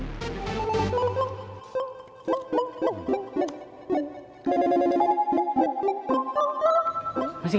sebelumnya gue keliling